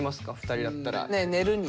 ２人だったら。